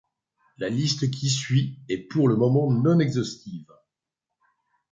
La liste qui suit est pour le moment non exhaustive.